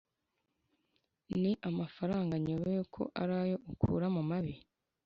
ni amafaranga nyobewe ko arayo ukura mumabi